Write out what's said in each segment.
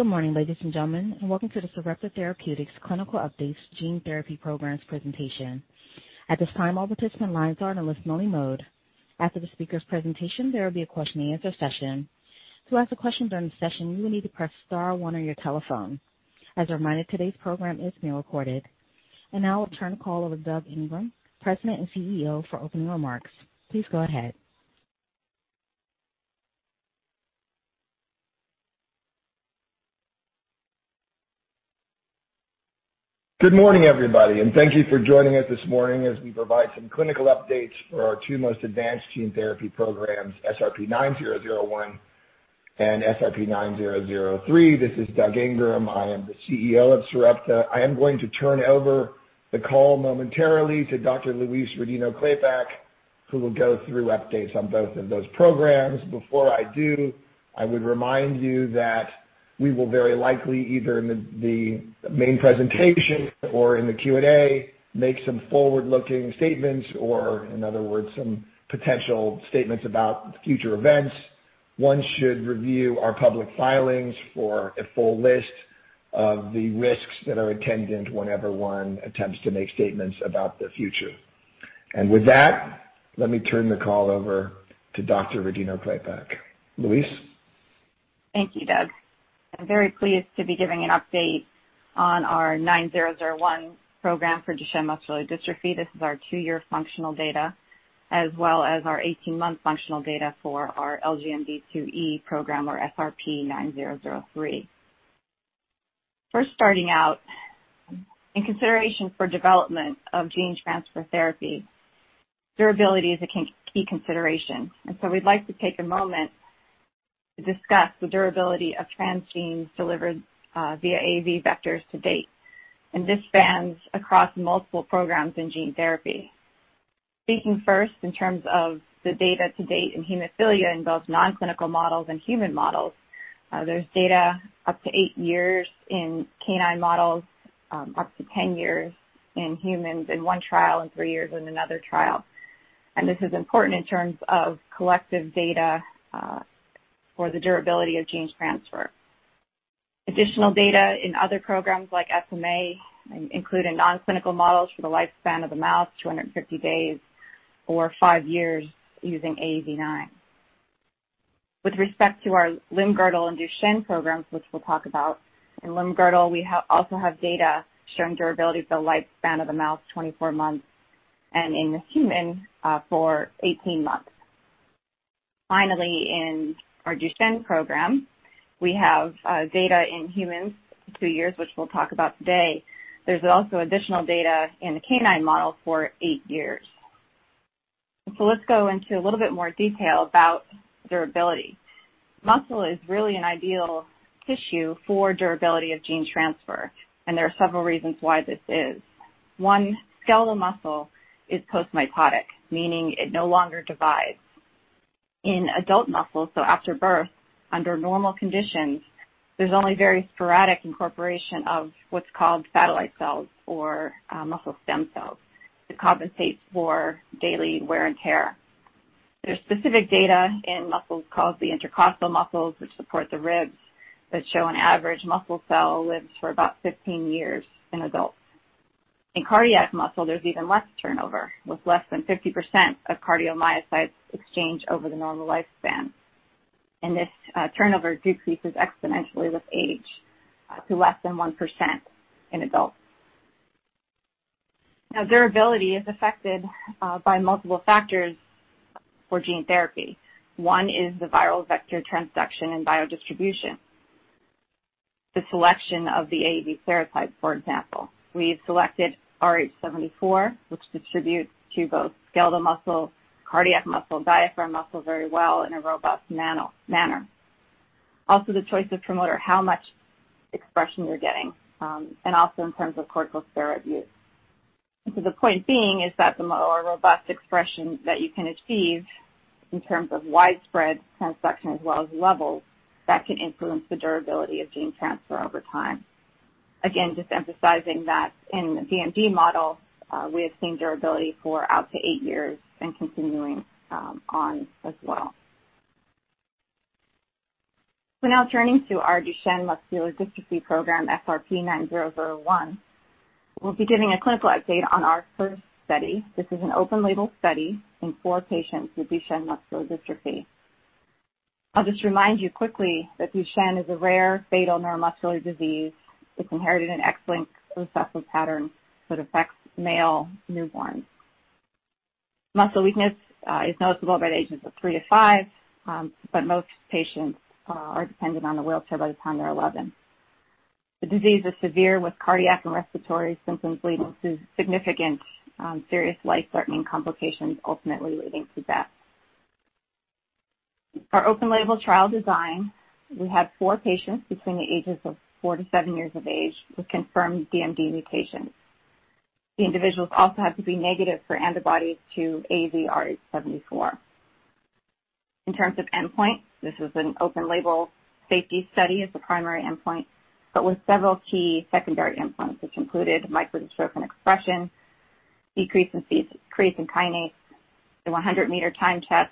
Good morning, ladies and gentlemen, welcome to the Sarepta Therapeutics Clinical Updates gene therapy programs presentation. At this time, all participant lines are in a listen-only mode. After the speaker's presentation, there will be a question and answer session. To ask a question during the session, you will need to press star 1 on your telephone. As a reminder, today's program is being recorded. Now I'll turn the call over to Doug Ingram, President and CEO, for opening remarks. Please go ahead. Good morning, everybody, and thank you for joining us this morning as we provide some clinical updates for our two most advanced gene therapy programs, SRP-9001 and SRP-9003. This is Doug Ingram. I am the CEO of Sarepta. I am going to turn over the call momentarily to Dr. Louise Rodino-Klapac, who will go through updates on both of those programs. Before I do, I would remind you that we will very likely, either in the main presentation or in the Q&A, make some forward-looking statements or, in other words, some potential statements about future events. One should review our public filings for a full list of the risks that are attendant whenever one attempts to make statements about the future. With that, let me turn the call over to Dr. Louise Rodino-Klapac. Louise? Thank you, Doug. I'm very pleased to be giving an update on our 9001 program for Duchenne muscular dystrophy. This is our two-year functional data, as well as our 18-month functional data for our LGMD2E program, or SRP-9003. First starting out, in consideration for development of gene transfer therapy, durability is a key consideration. We'd like to take a moment to discuss the durability of transgenes delivered via AAV vectors to date, and this spans across multiple programs in gene therapy. Speaking first in terms of the data to date in hemophilia, in both non-clinical models and human models, there's data up to eight years in canine models, up to 10 years in humans in one trial, and three years in another trial. This is important in terms of collective data for the durability of gene transfer. Additional data in other programs like SMA, including non-clinical models for the lifespan of the mouse, 250 days, or five years using AAV9. With respect to our limb-girdle and Duchenne programs, which we'll talk about, in limb-girdle, we also have data showing durability of the lifespan of the mouse, 24 months, and in humans for 18 months. In our Duchenne program, we have data in humans, two years, which we'll talk about today. There's also additional data in the canine model for eight years. Let's go into a little bit more detail about durability. Muscle is really an ideal tissue for durability of gene transfer, and there are several reasons why this is. One, skeletal muscle is postmitotic, meaning it no longer divides. In adult muscle, so after birth, under normal conditions, there's only very sporadic incorporation of what's called satellite cells, or muscle stem cells, that compensates for daily wear and tear. There's specific data in muscles called the intercostal muscles, which support the ribs, that show an average muscle cell lives for about 15 years in adults. In cardiac muscle, there's even less turnover, with less than 50% of cardiomyocytes exchange over the normal lifespan. This turnover decreases exponentially with age to less than 1% in adults. Now, durability is affected by multiple factors for gene therapy. One is the viral vector transduction and biodistribution. The selection of the AAV serotype, for example. We've selected RH74, which distributes to both skeletal muscle, cardiac muscle, diaphragm muscle very well in a robust manner. Also, the choice of promoter, how much expression you're getting, and also in terms of corticosteroid use. The point being is that the more robust expression that you can achieve in terms of widespread transduction as well as levels, that can influence the durability of gene transfer over time. Again, just emphasizing that in the DMD model, we have seen durability for up to eight years and continuing on as well. Now turning to our Duchenne muscular dystrophy program, SRP-9001. We'll be giving a clinical update on our first study. This is an open-label study in four patients with Duchenne muscular dystrophy. I'll just remind you quickly that Duchenne is a rare fatal neuromuscular disease. It's inherited in X-linked recessive pattern that affects male newborns. Muscle weakness is noticeable by the ages of three to five, but most patients are dependent on a wheelchair by the time they're 11. The disease is severe, with cardiac and respiratory symptoms leading to significant serious life-threatening complications, ultimately leading to death. For open-label trial design, we had four patients between the ages of four to seven years of age with confirmed DMD mutations. The individuals also had to be negative for antibodies to AAVrh74. In terms of endpoints, this is an open-label safety study as the primary endpoint, but with several key secondary endpoints, which included microdystrophin expression, decrease in creatine kinase, the 100-meter time test,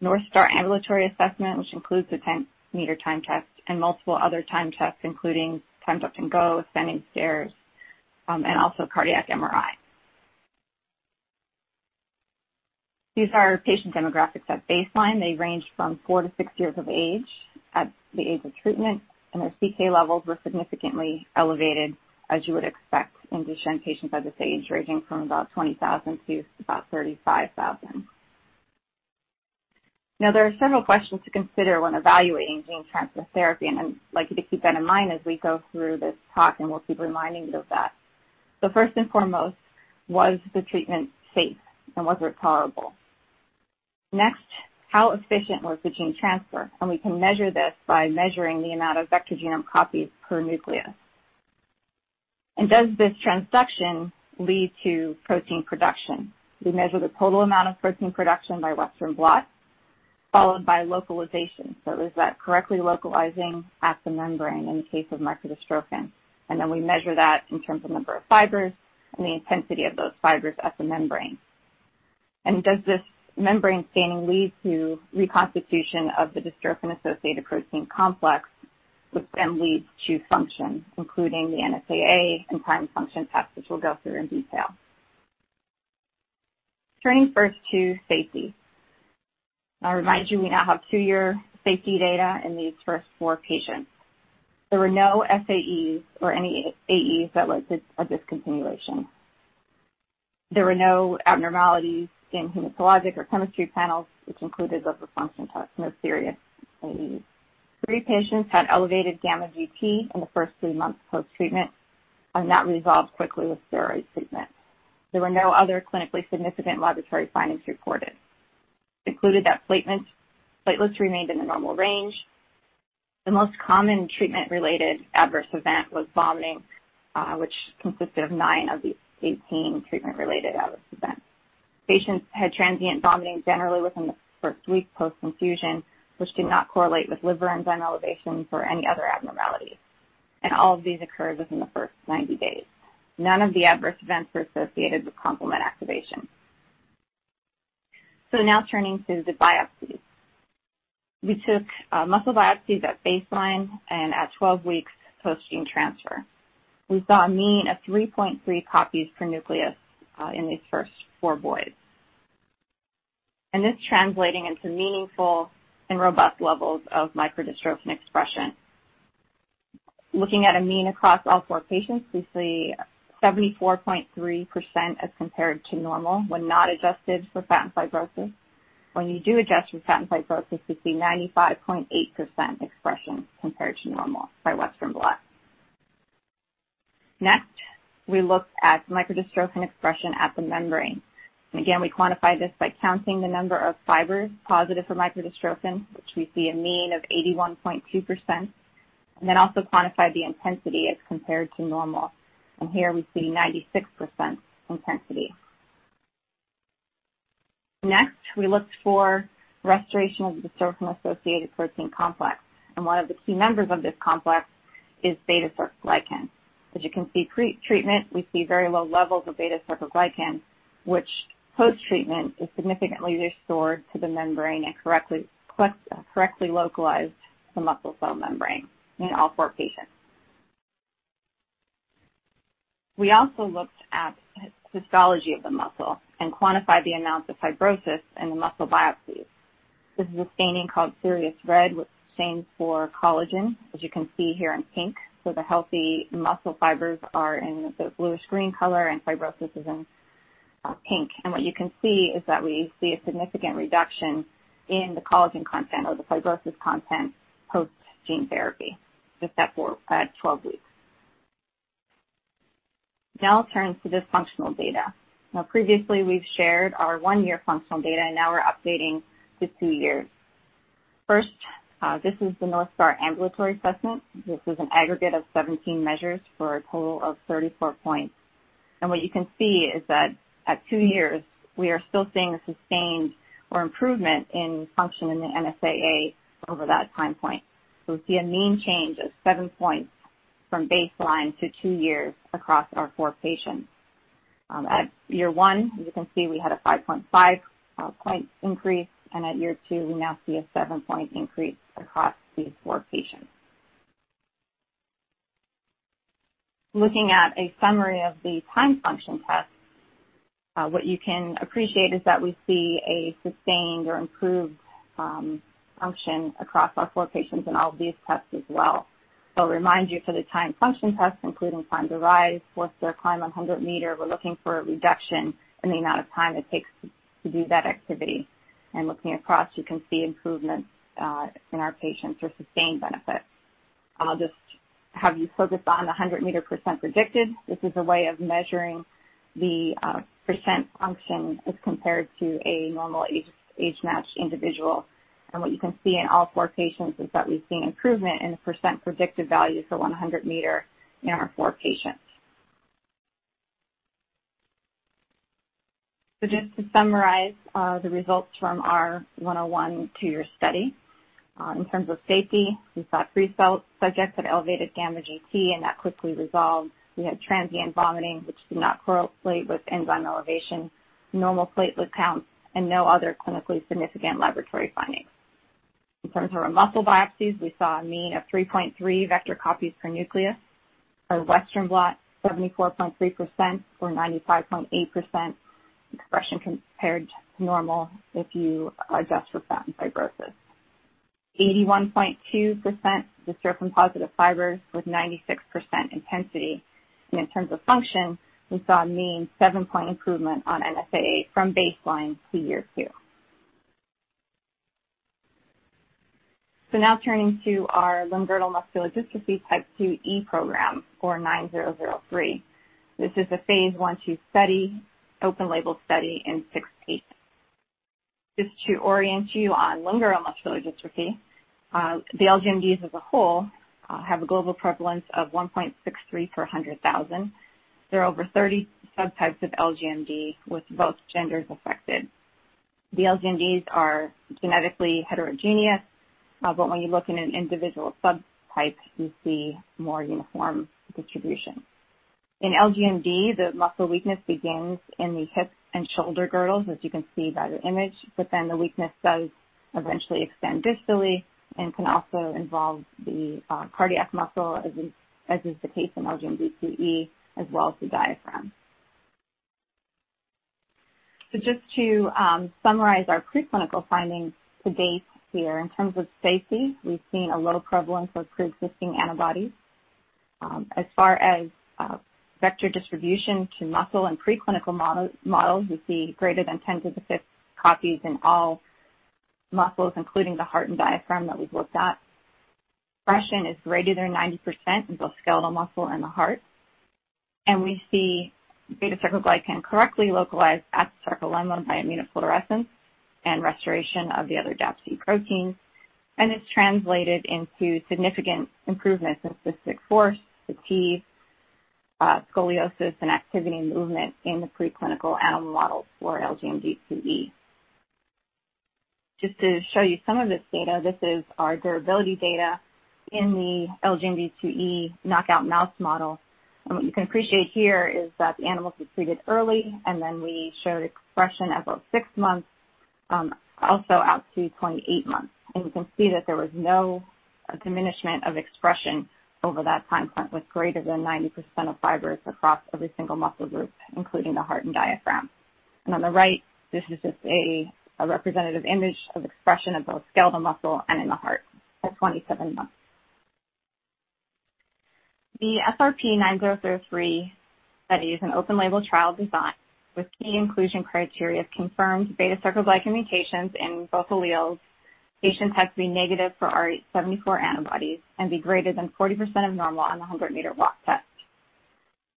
North Star Ambulatory Assessment, which includes the 10-meter time test and multiple other time tests, including timed up and go, ascending stairs, and also cardiac MRI. These are patient demographics at baseline. They range from four to six years of age at the age of treatment, and their CK levels were significantly elevated, as you would expect in Duchenne patients at this age, ranging from about 20,000 to about 35,000. There are several questions to consider when evaluating gene transfer therapy, and I'd like you to keep that in mind as we go through this talk, and we'll keep reminding you of that. First and foremost, was the treatment safe, and was it tolerable? Next, how efficient was the gene transfer? We can measure this by measuring the amount of vector genome copies per nucleus. Does this transduction lead to protein production? We measure the total amount of protein production by Western blot, followed by localization. Is that correctly localizing at the membrane in the case of microdystrophin? We measure that in terms of number of fibers and the intensity of those fibers at the membrane. Does this membrane staining lead to reconstitution of the dystrophin-associated protein complex, which then leads to function, including the NSAA and timed function tests, which we'll go through in detail. Turning first to safety. I'll remind you, we now have 2-year safety data in these first four patients. There were no SAEs or any AEs that led to a discontinuation. There were no abnormalities in hematologic or chemistry panels, which included liver function tests, no serious AEs. Three patients had elevated gamma GT in the first three months post-treatment, and that resolved quickly with steroid treatment. There were no other clinically significant laboratory findings reported. Concluded that platelets remained in the normal range. The most common treatment-related adverse event was vomiting, which consisted of nine of the 18 treatment-related adverse events. Patients had transient vomiting generally within the first week post-infusion, which did not correlate with liver enzyme elevations or any other abnormalities. All of these occurred within the first 90 days. None of the adverse events were associated with complement activation. Now turning to the biopsies. We took muscle biopsies at baseline and at 12 weeks post gene transfer. We saw a mean of 3.3 copies per nucleus in these first four boys, and this translating into meaningful and robust levels of microdystrophin expression. Looking at a mean across all four patients, we see 74.3% as compared to normal when not adjusted for fat and fibrosis. When you do adjust for fat and fibrosis, we see 95.8% expression compared to normal by Western blot. Next, we look at microdystrophin expression at the membrane. Again, we quantify this by counting the number of fibers positive for microdystrophin, which we see a mean of 81.2%, and then also quantify the intensity as compared to normal. Here we see 96% intensity. Next, we looked for restoration of the dystrophin-associated protein complex. One of the key members of this complex is beta-sarcoglycan. As you can see pre-treatment, we see very low levels of beta-sarcoglycan, which post-treatment is significantly restored to the membrane and correctly localized the sarcolemma in all four patients. We also looked at histology of the muscle and quantified the amount of fibrosis in the muscle biopsies. This is a staining called Sirius red, which stains for collagen, as you can see here in pink. The healthy muscle fibers are in the bluish-green color and fibrosis is in pink. What you can see is that we see a significant reduction in the collagen content or the fibrosis content post gene therapy at 12 weeks. Now I'll turn to this functional data. Now, previously we've shared our 1-year functional data, and now we're updating to 2 years. First, this is the North Star Ambulatory Assessment. This is an aggregate of 17 measures for a total of 34 points. What you can see is that at 2 years, we are still seeing a sustained or improvement in function in the NSAA over that time point. We see a mean change of 7 points from baseline to 2 years across our 4 patients. At year one, as you can see, we had a 5.5 points increase, and at year two, we now see a 7-point increase across these four patients. Looking at a summary of the timed function tests, what you can appreciate is that we see a sustained or improved function across our four patients in all of these tests as well. I'll remind you for the timed function tests, including time to rise, wheelchair climb, and 100 meter, we're looking for a reduction in the amount of time it takes to do that activity. Looking across, you can see improvements in our patients for sustained benefits. I'll just have you focus on the 100 meter % predicted. This is a way of measuring the % function as compared to a normal age-matched individual. What you can see in all four patients is that we've seen improvement in the percent predicted value for 100 meter in our four patients. Just to summarize the results from our Study 101-2 year. In terms of safety, we saw three subjects had elevated gamma GT and that quickly resolved. We had transient vomiting which did not correlate with enzyme elevation, normal platelet counts, and no other clinically significant laboratory findings. In terms of our muscle biopsies, we saw a mean of 3.3 vector copies per nucleus. Our Western blot, 74.3% or 95.8% expression compared to normal if you adjust for fat and fibrosis. 81.2% dystrophin-positive fibers with 96% intensity. In terms of function, we saw a mean seven-point improvement on NSAA from baseline to year two. Now turning to our limb-girdle muscular dystrophy Type 2E program, or SRP-9003. This is a phase I/II study, open-label study in six patients. Just to orient you on limb-girdle muscular dystrophy, the LGMD as a whole have a global prevalence of 1.63 per 100,000. There are over 30 subtypes of LGMD, with both genders affected. The LGMDs are genetically heterogeneous, when you look in an individual subtype, you see more uniform distribution. In LGMD, the muscle weakness begins in the hip and shoulder girdles, as you can see by the image, but then the weakness does eventually extend distally and can also involve the cardiac muscle, as is the case in LGMD2E, as well as the diaphragm. Just to summarize our preclinical findings to date here. In terms of safety, we've seen a low prevalence of preexisting antibodies. As far as vector distribution to muscle and preclinical models, we see greater than 10 to the fifth copies in all muscles, including the heart and diaphragm that we've looked at. Expression is greater than 90% in both skeletal muscle and the heart. We see beta-sarcoglycan correctly localized at the sarcolemma by immunofluorescence and restoration of the other DAPC proteins, and it's translated into significant improvements in systolic force, fatigue, scoliosis, and activity and movement in the preclinical animal models for LGMD2E. Just to show you some of this data, this is our durability data in the LGMD2E knockout mouse model. What you can appreciate here is that the animals were treated early, then we showed expression at about six months, also out to 28 months. You can see that there was no diminishment of expression over that time point, with greater than 90% of fibers across every single muscle group, including the heart and diaphragm. On the right, this is just a representative image of expression of both skeletal muscle and in the heart at 27 months. The SRP-9003 study is an open-label trial design with key inclusion criteria of confirmed beta-sarcoglycan mutations in both alleles. Patients had to be negative for RH74 antibodies and be greater than 40% of normal on the 100-meter walk test.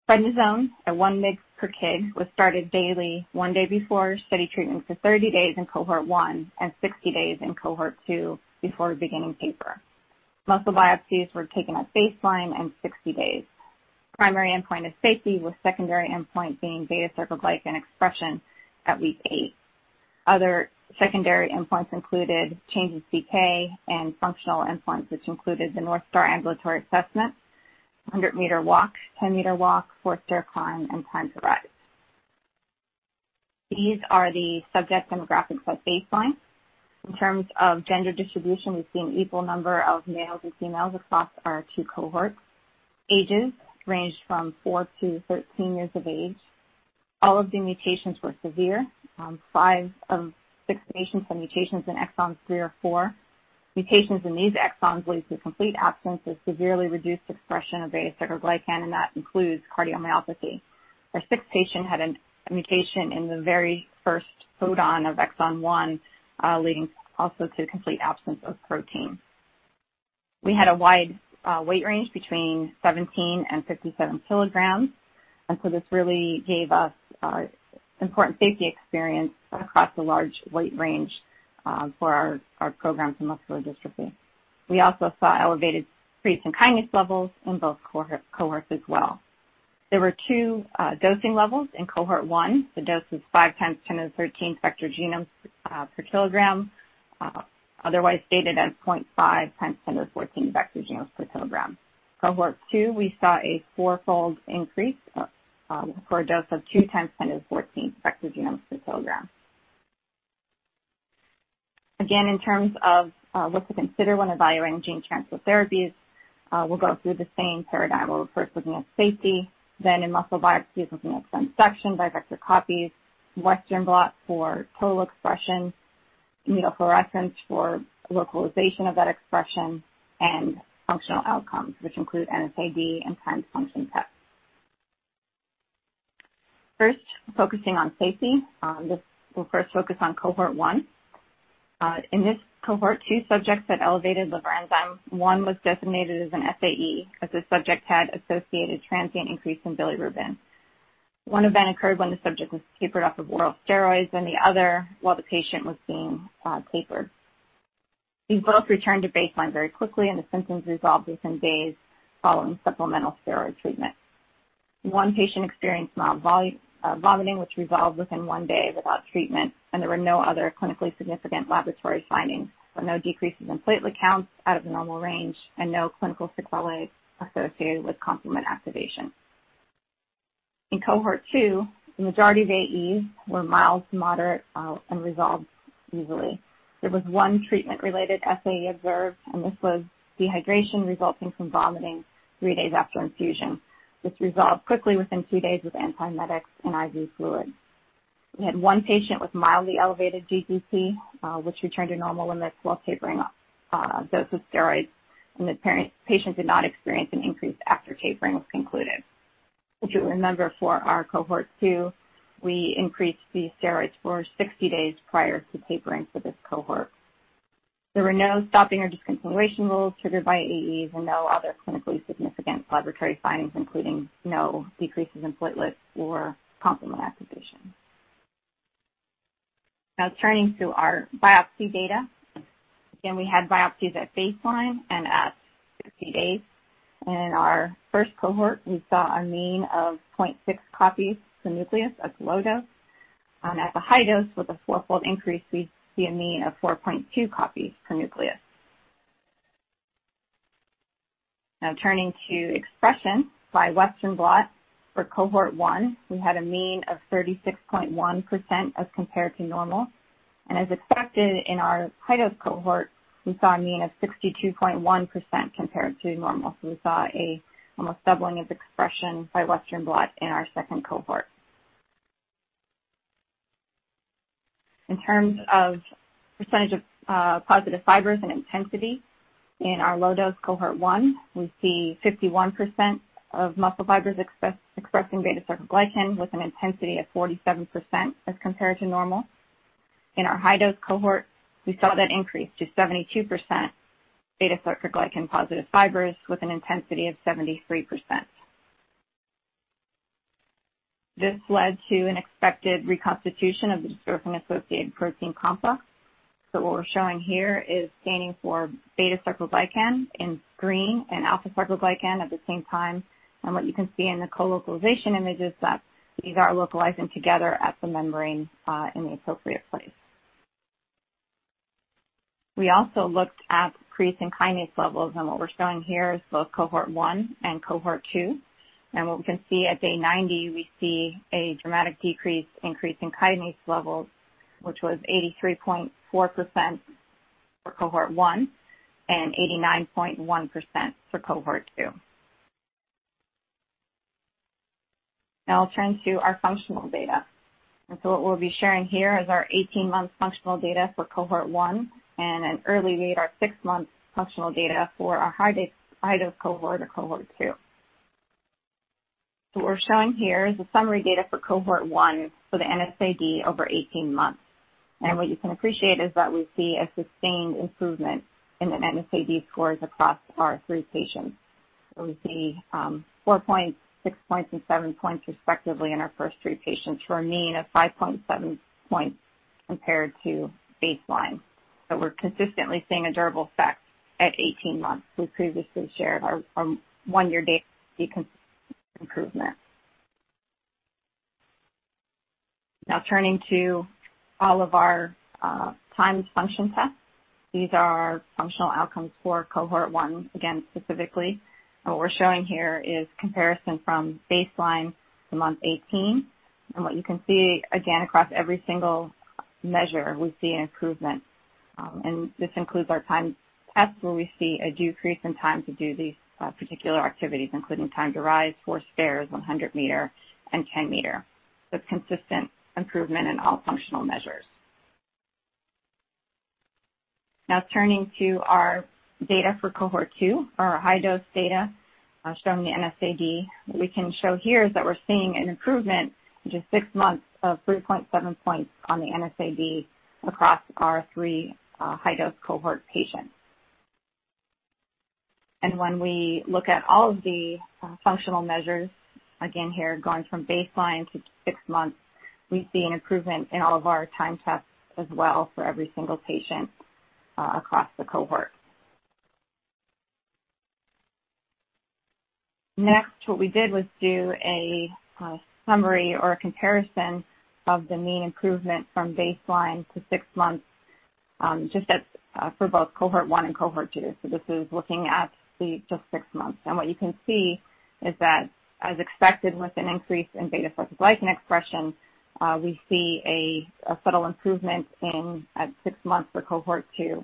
Prednisone at one mg per kg was started daily one day before study treatment for 30 days in cohort 1 and 60 days in cohort 2 before beginning taper. Muscle biopsies were taken at baseline and 60 days. Primary endpoint is safety, with secondary endpoint being beta-sarcoglycan expression at week eight. Other secondary endpoints included changes to PK and functional endpoints, which included the North Star Ambulatory Assessment, 100-meter walk, 10-meter walk, four-stair climb, and time to rise. These are the subject demographics at baseline. In terms of gender distribution, we've seen equal number of males and females across our two cohorts. Ages ranged from four to 13 years of age. All of the mutations were severe. Five of six patients had mutations in exons three or four. Mutations in these exons lead to complete absence of severely reduced expression of beta-sarcoglycan, and that includes cardiomyopathy. Our sixth patient had a mutation in the very first codon of exon one, leading also to complete absence of protein. We had a wide weight range between 17 and 57 kilograms, and so this really gave us important safety experience across a large weight range for our programs in muscular dystrophy. We also saw elevated creatine kinase levels in both cohorts as well. There were two dosing levels in cohort 1. The dose was 5 times 10 to the 13th vector genomes per kilogram otherwise stated as 0.5 times 10 to the 14th vector genomes per kilogram. Cohort 2, we saw a 4-fold increase for a dose of 2 times 10 to the 14th vector genomes per kilogram. In terms of what to consider when evaluating gene transfer therapies, we'll go through the same paradigm. We'll first look at safety, then in muscle biopsies, looking at some sections by vector copies, Western blot for total expression, immunofluorescence for localization of that expression, and functional outcomes, which include NSAA and timed function tests. First, focusing on safety. We'll first focus on cohort 1. In this cohort, two subjects had elevated liver enzymes. One was designated as an SAE, as this subject had associated transient increase in bilirubin. One event occurred when the subject was tapered off of oral steroids, and the other while the patient was being tapered. These both returned to baseline very quickly and the symptoms resolved within days following supplemental steroid treatment. One patient experienced mild vomiting, which resolved within one day without treatment, and there were no other clinically significant laboratory findings. No decreases in platelet counts out of the normal range and no clinical sick biology associated with complement activation. In cohort 2, the majority of AEs were mild to moderate and resolved easily. There was one treatment-related SAE observed, and this was dehydration resulting from vomiting three days after infusion. This resolved quickly within two days with antiemetics and IV fluids. We had one patient with mildly elevated GGT, which returned to normal when the slow tapering off dose of steroids and the patient did not experience an increase after tapering was concluded. If you remember, for our cohort 2, we increased the steroids for 60 days prior to tapering for this cohort. There were no stopping or discontinuation rules triggered by AEs and no other clinically significant laboratory findings, including no decreases in platelets or complement activation. Turning to our biopsy data. We had biopsies at baseline and at 60 days. In our first cohort, we saw a mean of 0.6 copies per nucleus at the low dose. At the high dose with a four-fold increase, we see a mean of 4.2 copies per nucleus. Turning to expression by Western blot. For cohort 1, we had a mean of 36.1% as compared to normal. As expected in our high-dose cohort, we saw a mean of 62.1% compared to normal. We saw almost doubling of expression by Western blot in our 2nd cohort. In terms of percentage of positive fibers and intensity, in our low-dose cohort 1, we see 51% of muscle fibers expressing beta-sarcoglycan with an intensity of 47% as compared to normal. In our high-dose cohort, we saw that increase to 72% beta-sarcoglycan positive fibers with an intensity of 73%. This led to an expected reconstitution of the dystrophin-associated protein complex. What we're showing here is staining for beta-sarcoglycan in green and alpha-sarcoglycan at the same time. What you can see in the colocalization image is that these are localized together at the membrane in the appropriate place. We also looked at creatine kinase levels. What we're showing here is both cohort one and cohort two. What we can see at day 90, we see a dramatic decrease increase in kinase levels, which was 83.4% for cohort one and 89.1% for cohort two. Now I'll turn to our functional data. What we'll be sharing here is our 18-month functional data for cohort one and an early read, our six-month functional data for our high-dose cohort, or cohort two. What we're showing here is the summary data for cohort one for the NSAA over 18 months. What you can appreciate is that we see a sustained improvement in the NSAA scores across our three patients. We see four points, six points, and seven points respectively in our first three patients for a mean of 5.7 points compared to baseline. We're consistently seeing a durable effect at 18 months. We previously shared our one-year data improvement. Turning to all of our timed function tests. These are functional outcomes for cohort 1, again, specifically. What we're showing here is comparison from baseline to month 18. What you can see, again, across every single measure, we see an improvement. This includes our timed tests where we see a decrease in time to do these particular activities, including time to rise, four stairs, 100 meter, and 10 meter with consistent improvement in all functional measures. Turning to our data for cohort 2, or our high-dose data showing the NSAA. What we can show here is that we're seeing an improvement, which is six months of 3.7 points on the NSAA across our three high-dose cohort patients. When we look at all of the functional measures, again here going from baseline to six months, we see an improvement in all of our timed tests as well for every single patient across the cohort. Next, what we did was do a summary or a comparison of the mean improvement from baseline to six months just for both cohort 1 and cohort 2. This is looking at just six months. What you can see is that, as expected with an increase in beta-sarcoglycan expression, we see a subtle improvement at six months for cohort 2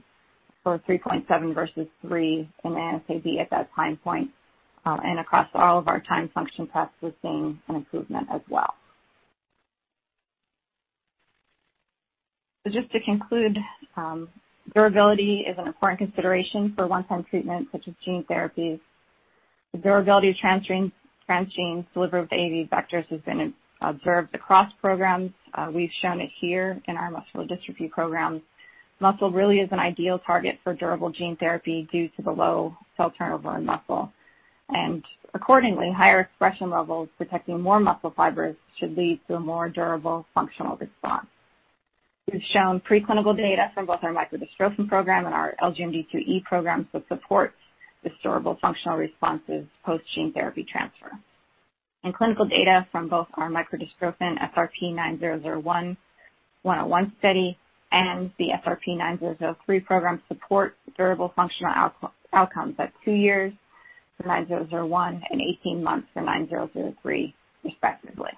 for 3.7 versus three in the NSAA at that time point. Across all of our timed function tests, we're seeing an improvement as well. Just to conclude, durability is an important consideration for one-time treatments such as gene therapy. The durability of transgene delivered with AAV vectors has been observed across programs. We've shown it here in our muscular dystrophy programs. Muscle really is an ideal target for durable gene therapy due to the low cell turnover in muscle. Accordingly, higher expression levels protecting more muscle fibers should lead to a more durable functional response. We've shown pre-clinical data from both our microdystrophin program and our LGMD2E programs that supports this durable functional responses post gene therapy transfer. Clinical data from both our microdystrophin SRP-9001-101 study and the SRP-9003 program support durable functional outcomes at two years for 9001 and 18 months for 9003, respectively.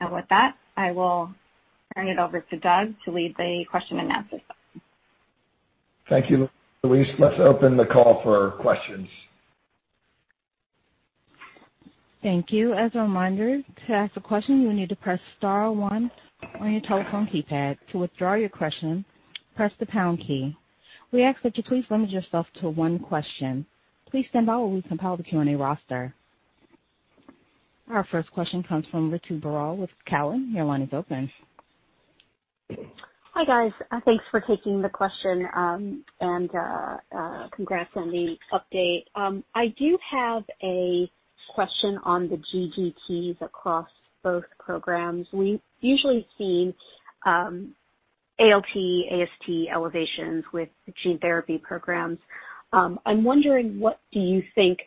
With that, I will turn it over to Doug to lead the question and answer session. Thank you, Louise. Let's open the call for questions. Thank you. As a reminder, to ask a question, you will need to press star one on your telephone keypad. To withdraw your question, press the pound key. We ask that you please limit yourself to one question. Please stand by while we compile the Q&A roster. Our first question comes from Ritu Baral with Cowen. Your line is open. Hi, guys. Thanks for taking the question, congrats on the update. I do have a question on the GGTs across both programs. We usually see ALT, AST elevations with gene therapy programs. I'm wondering, what do you think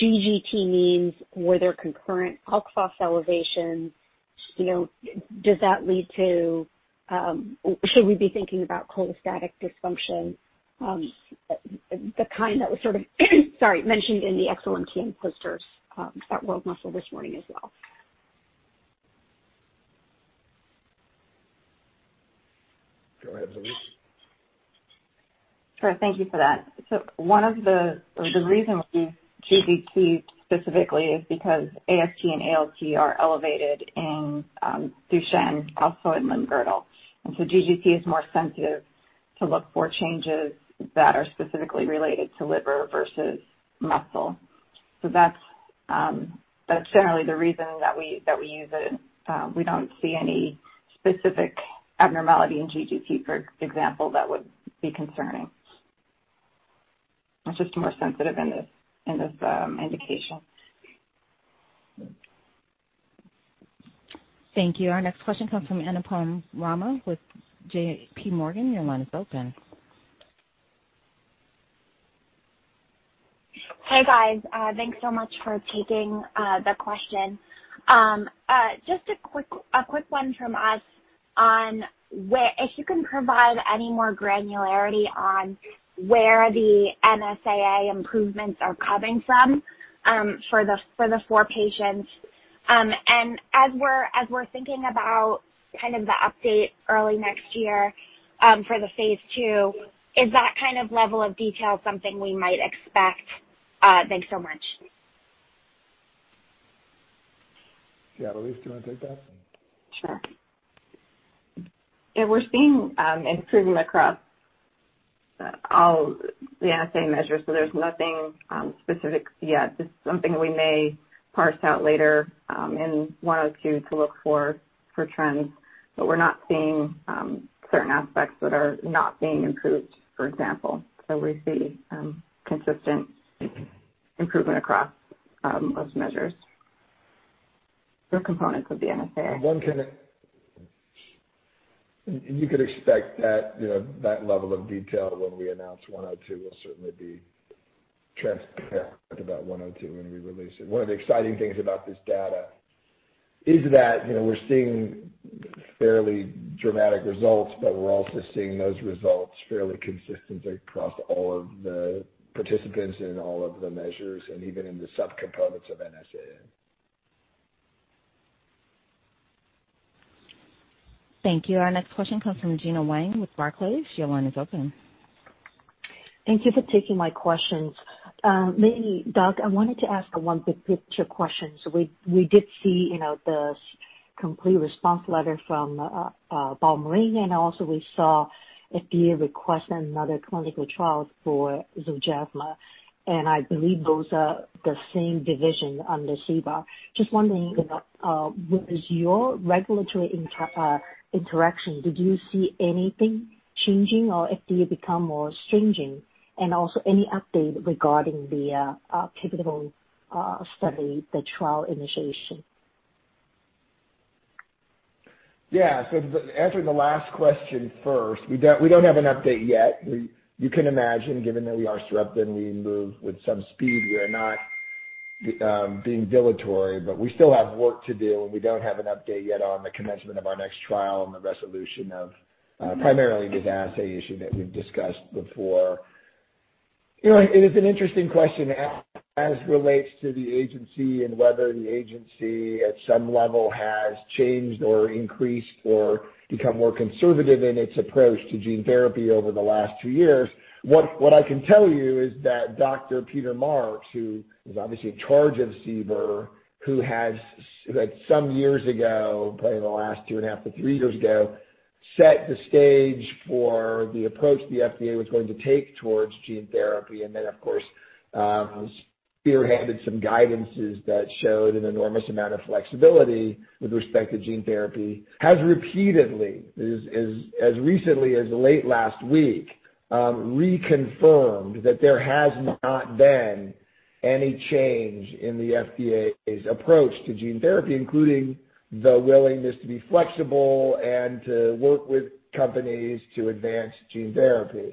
GGT means? Were there concurrent alk phos elevations? Should we be thinking about cholestatic dysfunction, the kind that was sort of mentioned in the XLMT posters at World Muscle this morning as well? Go ahead, Louise. Sure. Thank you for that. The reason we use GGT specifically is because AST and ALT are elevated in Duchenne, also in limb-girdle. GGT is more sensitive to look for changes that are specifically related to liver versus muscle. That's generally the reason that we use it. We don't see any specific abnormality in GGT, for example, that would be concerning. It's just more sensitive in this indication. Thank you. Our next question comes from Anupam Rama with JPMorgan. Your line is open. Hi, guys. Thanks so much for taking the question. Just a quick one from us on if you can provide any more granularity on where the NSAA improvements are coming from for the four patients. As we're thinking about the update early next year for the phase II, is that level of detail something we might expect? Thanks so much. Yeah. Louise, do you want to take that? Sure. Yeah, we're seeing improvement across all the NSAA measures. There's nothing specific yet. This is something we may parse out later in 102 to look for trends. We're not seeing certain aspects that are not being improved, for example. We see consistent improvement across those measures for components of the NSAA. You could expect that level of detail when we announce 102. We'll certainly be transparent about 102 when we release it. One of the exciting things about this data is that we're seeing fairly dramatic results, but we're also seeing those results fairly consistently across all of the participants in all of the measures and even in the subcomponents of NSAA. Thank you. Our next question comes from Gena Wang with Barclays. Your line is open. Thank you for taking my questions. Maybe, Doug, I wanted to ask one big picture question. We did see the complete response letter from BioMarin, also we saw FDA request another clinical trial for Zolgensma, and I believe those are the same division under CBER. Just wondering with your regulatory interaction, did you see anything changing or FDA become more stringent? Also any update regarding the pivotal study, the trial initiation? Yeah. Answering the last question first, we don't have an update yet. You can imagine, given that we are Sarepta and we move with some speed, we are not being dilatory, but we still have work to do, and we don't have an update yet on the commencement of our next trial and the resolution of primarily this assay issue that we've discussed before. It is an interesting question as relates to the agency and whether the agency at some level has changed or increased or become more conservative in its approach to gene therapy over the last two years. What I can tell you is that Dr. Peter Marks, who is obviously in charge of CBER, who had some years ago, probably in the last two and a half to three years ago, set the stage for the approach the FDA was going to take towards gene therapy, and then, of course, spearheaded some guidances that showed an enormous amount of flexibility with respect to gene therapy, has repeatedly, as recently as late last week, reconfirmed that there has not been any change in the FDA's approach to gene therapy, including the willingness to be flexible and to work with companies to advance gene therapies.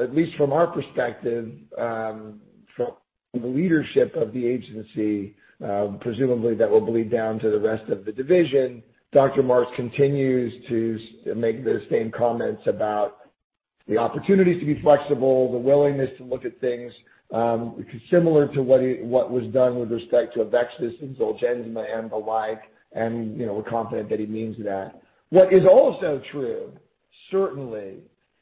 At least from our perspective, from the leadership of the agency, presumably that will bleed down to the rest of the division. Dr. Marks continues to make the same comments about the opportunities to be flexible, the willingness to look at things similar to what was done with respect to AveXis and Zolgensma and the like, and we're confident that he means that. What is also true, certainly,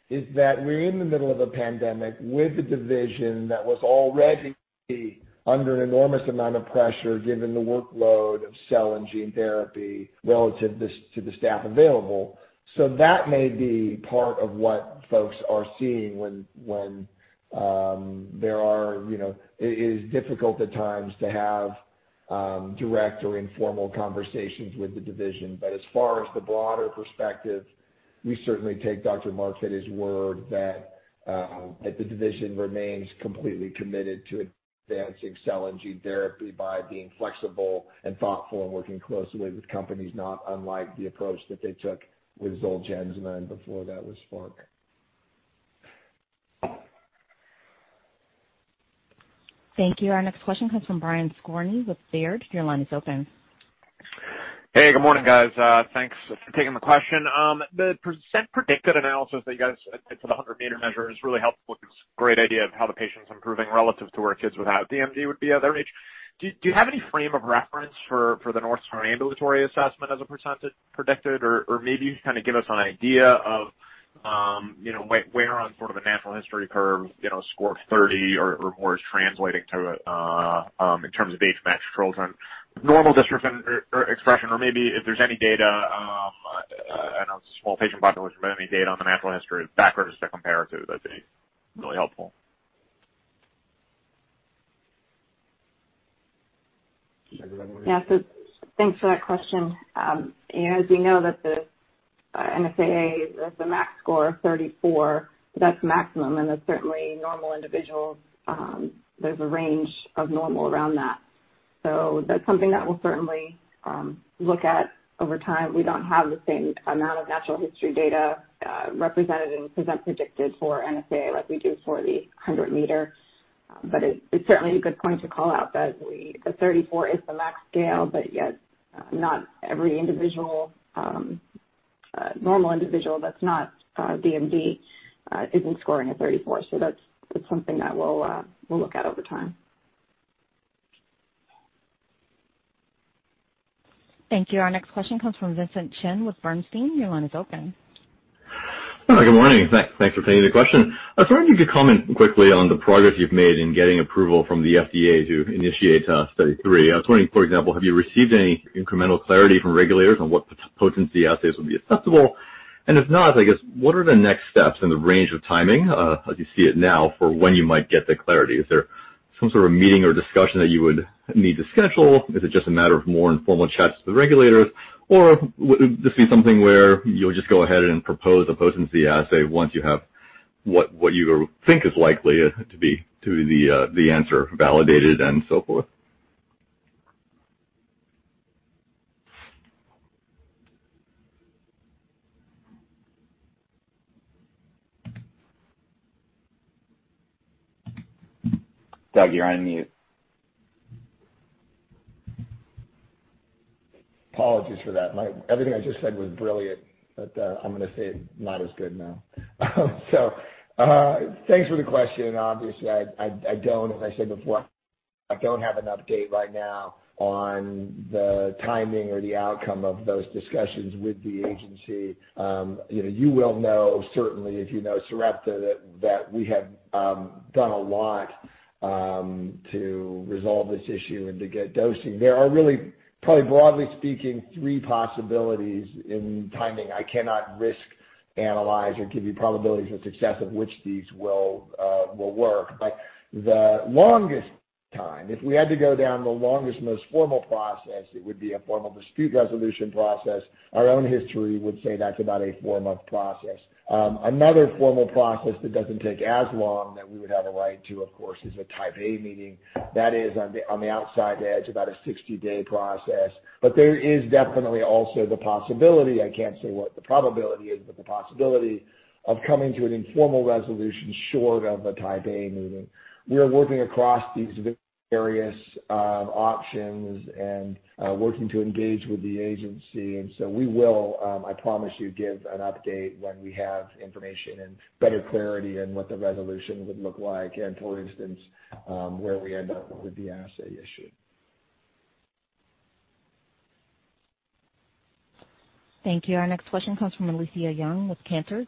is that we're in the middle of a pandemic with a division that was already under an enormous amount of pressure given the workload of cell and gene therapy relative to the staff available. That may be part of what folks are seeing when it is difficult at times to have direct or informal conversations with the division. As far as the broader perspective, we certainly take Dr. Marks at his word that the division remains completely committed to advancing cell and gene therapy by being flexible and thoughtful and working closely with companies, not unlike the approach that they took with Zolgensma and before that was Spark. Thank you. Our next question comes from Brian Skorney with Baird. Your line is open. Hey, good morning, guys. Thanks for taking the question. The percent predicted analysis that you guys did for the 100-meter measure is really helpful to give us a great idea of how the patient's improving relative to where kids without DMD would be at their age. Do you have any frame of reference for the North Star Ambulatory Assessment as a percentage predicted? Maybe you can kind of give us an idea of where on sort of a natural history curve a score of 30 or more is translating to in terms of age-matched children, normal distribution or expression, or maybe if there's any data, I know this is a small patient population, but any data on the natural history background just to compare it to that'd be really helpful. Thanks for that question. As you know, that the NSAA, the max score of 34, that's maximum and there's certainly normal individuals, there's a range of normal around that. That's something that we'll certainly look at over time. We don't have the same amount of natural history data represented in present predicted for NSAA like we do for the 100-meter. It's certainly a good point to call out that the 34 is the max scale, but yet not every normal individual that's not DMD isn't scoring a 34. That's something that we'll look at over time. Thank you. Our next question comes from Vincent Chen with Bernstein. Your line is open. Good morning. Thanks for taking the question. I was wondering if you could comment quickly on the progress you've made in getting approval from the FDA to initiate Study 3. I was wondering, for example, have you received any incremental clarity from regulators on what potency assays would be acceptable? If not, I guess, what are the next steps and the range of timing, as you see it now, for when you might get the clarity? Is there some sort of meeting or discussion that you would need to schedule? Is it just a matter of more informal chats with the regulators? This is something where you'll just go ahead and propose a potency assay once you have what you think is likely to be the answer validated and so forth? Doug, you're on mute. Apologies for that. Everything I just said was brilliant, but I'm going to say it not as good now. Thanks for the question. Obviously, I don't, as I said before, I don't have an update right now on the timing or the outcome of those discussions with the agency. You will know, certainly, if you know Sarepta, that we have done a lot to resolve this issue and to get dosing. There are really, probably broadly speaking, three possibilities in timing. I cannot risk analyze or give you probabilities of success of which these will work. The longest time, if we had to go down the longest, most formal process, it would be a formal dispute resolution process. Our own history would say that's about a four-month process. Another formal process that doesn't take as long that we would have a right to, of course, is a Type A meeting. That is on the outside edge, about a 60-day process. There is definitely also the possibility, I can't say what the probability is, but the possibility of coming to an informal resolution short of a Type A meeting. We are working across these various options and working to engage with the agency, we will, I promise you, give an update when we have information and better clarity in what the resolution would look like and, for instance, where we end up with the assay issue. Thank you. Our next question comes from Alethia Young with Cantor.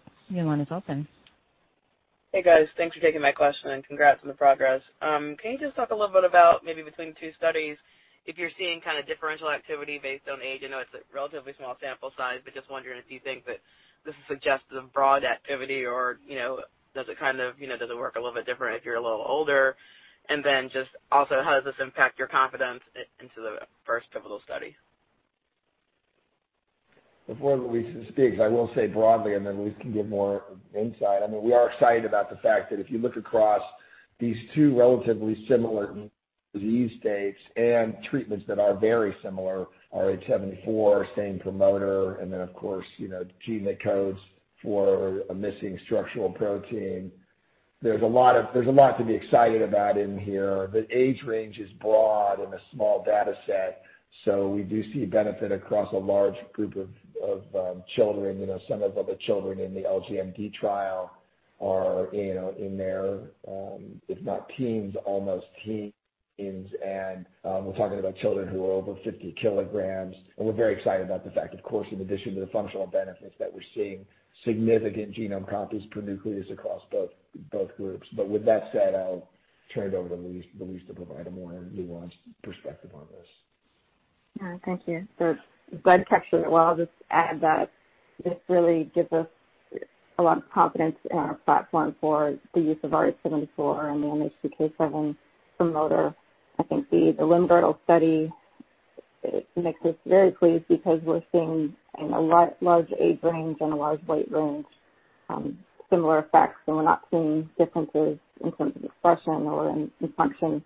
Hey, guys. Thanks for taking my question and congrats on the progress. Can you just talk a little bit about maybe between two studies, if you're seeing kind of differential activity based on age? I know it's a relatively small sample size, but just wondering if you think that this suggests the broad activity or does it work a little bit different if you're a little older? Then just also, how does this impact your confidence into the first pivotal study? Before Louise speaks, I will say broadly, and then Louise can give more insight. We are excited about the fact that if you look across these two relatively similar disease states and treatments that are very similar, RH74, same promoter, and then of course, the gene that codes for a missing structural protein. There's a lot to be excited about in here. The age range is broad in a small data set. We do see benefit across a large group of children. Some of the children in the LGMD trial are in their, if not teens, almost teens. We're talking about children who are over 50 kilograms. We're very excited about the fact, of course, in addition to the functional benefits, that we're seeing significant genome copies per nucleus across both groups. With that said, I'll turn it over to Louise to provide a more nuanced perspective on this. Thank you. Good structure. Well, I'll just add that this really gives us a lot of confidence in our platform for the use of RH74 and the MHCK7 promoter. I think the limb-girdle study makes us very pleased because we're seeing in a large age range and a large weight range, similar effects, and we're not seeing differences in terms of expression or in function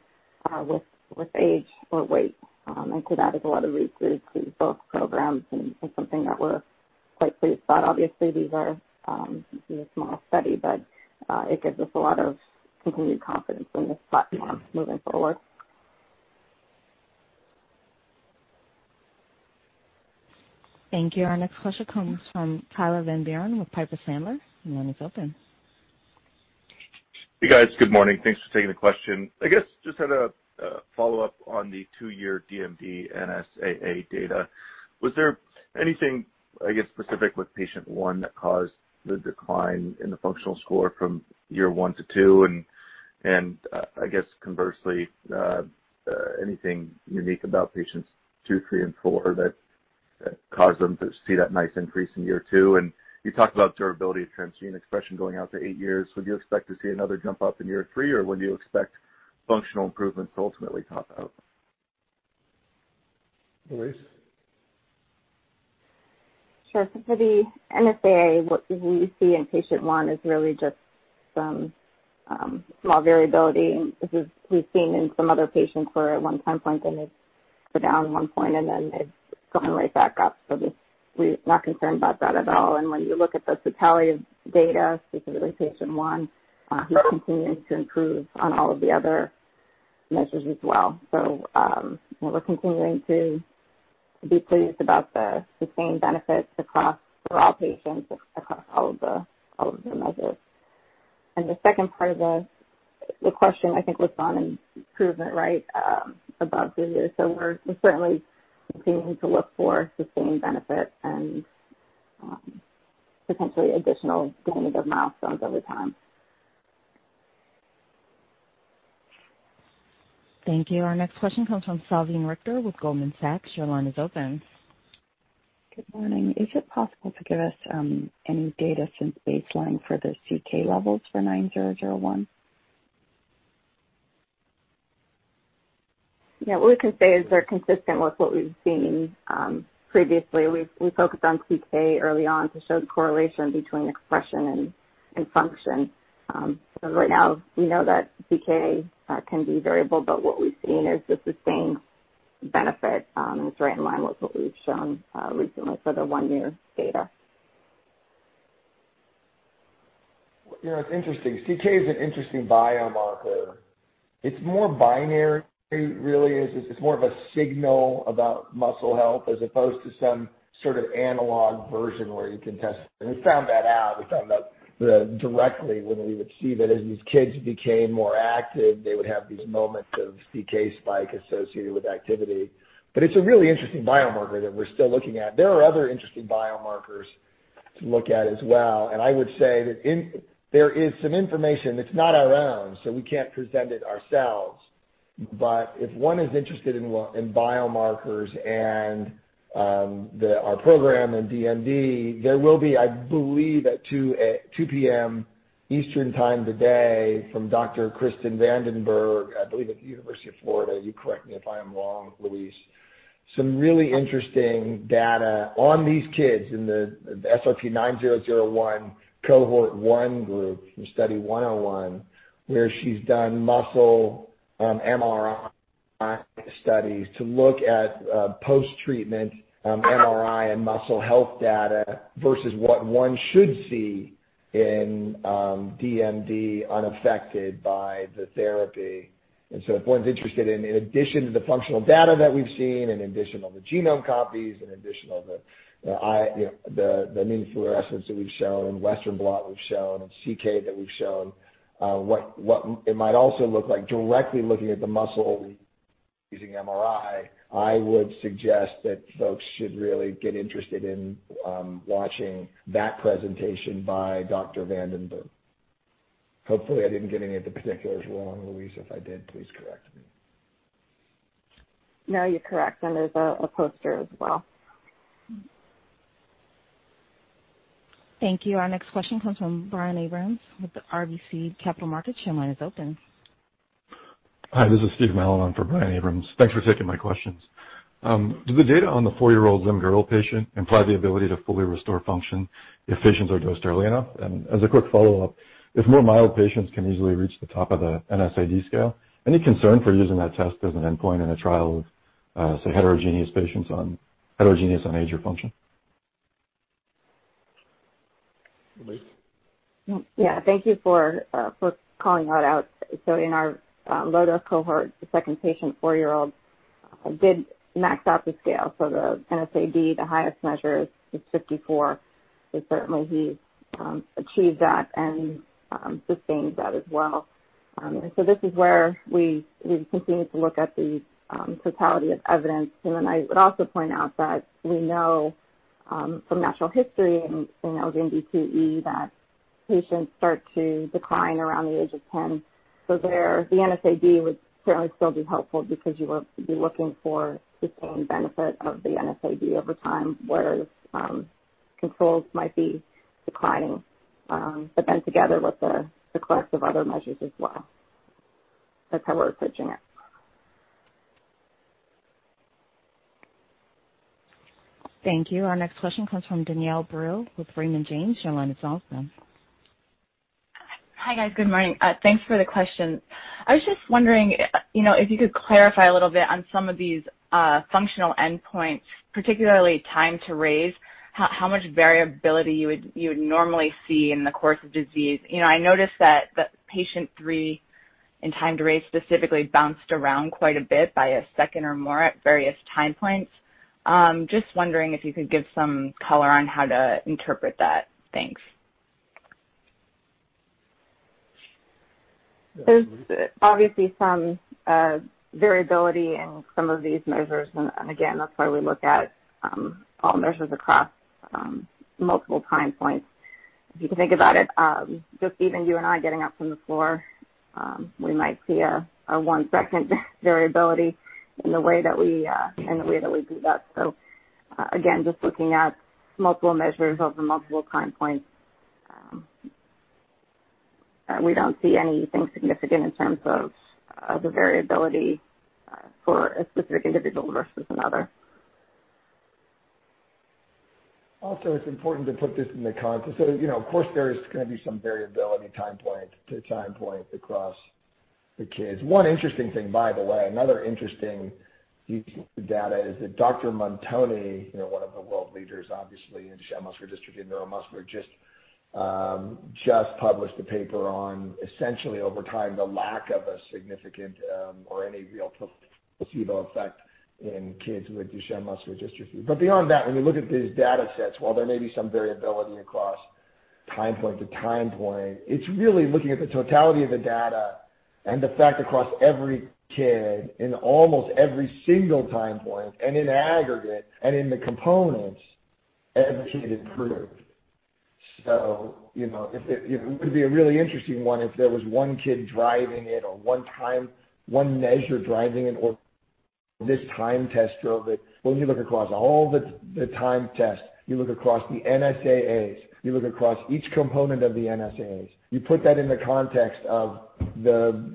with age or weight. To that is a lot of recruit to both programs and it's something that we're quite pleased about. Obviously, these are a small study, but it gives us a lot of continued confidence in this platform moving forward. Thank you. Our next question comes from Tyler Van Buren with Piper Sandler. Your line is open. Hey, guys. Good morning. Thanks for taking the question. I guess just had a follow-up on the two-year DMD NSAA data. Was there anything, I guess, specific with patient 1 that caused the decline in the functional score from year one to two? I guess conversely, anything unique about patients 2, 3, and 4 that caused them to see that nice increase in year two? You talked about durability of transgene expression going out to eight years. Would you expect to see another jump up in year three, or when do you expect functional improvements to ultimately top out? Louise? Sure. For the NSAA, what we see in patient one is really just some small variability. This is we've seen in some other patients where at one time point they may go down one point and then they've gone right back up. We're not concerned about that at all. When you look at the totality of data, specifically patient one, he's continuing to improve on all of the other measures as well. We're continuing to be pleased about the sustained benefits for all patients across all of the measures. The second part of the question, I think, was on improvement, right? Above two years. We're certainly continuing to look for sustained benefit and potentially additional attainment of milestones over time. Thank you. Our next question comes from Salveen Richter with Goldman Sachs. Your line is open. Good morning. Is it possible to give us any data since baseline for the CK levels for SRP-9001? Yeah. What we can say is they're consistent with what we've seen previously. We focused on CK early on to show the correlation between expression and function. Right now, we know that CK can be variable, but what we've seen is the sustained benefit, and it's right in line with what we've shown recently for the one-year data. It's interesting. CK is an interesting biomarker. It's more binary, really. It's more of a signal about muscle health as opposed to some sort of analog version where you can test. We found that out directly when we would see that as these kids became more active, they would have these moments of CK spike associated with activity. It's a really interesting biomarker that we're still looking at. There are other interesting biomarkers to look at as well, and I would say that there is some information that's not our own, so we can't present it ourselves. If one is interested in biomarkers and our program in DMD, there will be, I believe at 2:00 P.M. Eastern time today from Dr. Krista Vandenborne, I believe at the University of Florida, you correct me if I am wrong, Louise, some really interesting data on these kids in the SRP-9001 cohort 1 group from Study 101, where she's done muscle MRI studies to look at post-treatment MRI and muscle health data versus what one should see in DMD unaffected by the therapy. If one's interested, in addition to the functional data that we've seen, in addition to the genome copies, in addition to the immunofluorescence that we've shown, Western blot we've shown, and CK that we've shown, what it might also look like directly looking at the muscle using MRI, I would suggest that folks should really get interested in watching that presentation by Dr. VandenBerg. Hopefully, I didn't get any of the particulars wrong, Louise. If I did, please correct me. No, you're correct. There's a poster as well. Thank you. Our next question comes from Brian Abrahams with RBC Capital Markets. Your line is open. Hi, this is Steve Malasinski for Brian Abrahams. Thanks for taking my questions. Do the data on the four-year-old DMD girl patient imply the ability to fully restore function if patients are dosed early enough? As a quick follow-up, if more mild patients can easily reach the top of the NSAA scale, any concern for using that test as an endpoint in a trial of, say, heterogeneous patients on major function? Louise? Yeah. Thank you for calling that out. In our low-dose cohort, the second patient, 4-year-old, did max out the scale. The NSAA, the highest measure is 54. Certainly he achieved that and sustained that as well. This is where we continue to look at the totality of evidence. I would also point out that we know from natural history and in LGMD2E that patients start to decline around the age of 10. There, the NSAA would certainly still be helpful because you would be looking for sustained benefit of the NSAA over time, whereas controls might be declining. Together with the collective other measures as well. That's how we're approaching it. Thank you. Our next question comes from Danielle Brill with Raymond James. Your line is open. Hi, guys. Good morning. Thanks for the questions. I was just wondering if you could clarify a little bit on some of these functional endpoints, particularly time to raise, how much variability you would normally see in the course of disease. I noticed that patient 3 in time to raise specifically bounced around quite a bit by a second or more at various time points. Just wondering if you could give some color on how to interpret that. Thanks. There's obviously some variability in some of these measures, again, that's why we look at measures across multiple time points. If you can think about it, just even you and I getting up from the floor, we might see a one-second variability in the way that we do that. Again, just looking at multiple measures over multiple time points. We don't see anything significant in terms of the variability for a specific individual versus another. It's important to put this into context. Of course there is going to be some variability time point to time point across the kids. One interesting thing, by the way, another interesting data is that Dr. Muntoni, one of the world leaders, obviously, in Duchenne muscular dystrophy, in neuromuscular, just published a paper on essentially, over time, the lack of a significant or any real placebo effect in kids with Duchenne muscular dystrophy. Beyond that, when you look at these data sets, while there may be some variability across time point to time point, it's really looking at the totality of the data and the fact across every kid in almost every single time point and in aggregate and in the components, every kid improved. It would be a really interesting one if there was one kid driving it or one time, one measure driving it, or this time test drove it. When you look across all the time tests, you look across the NSAAs, you look across each component of the NSAAs. You put that in the context of the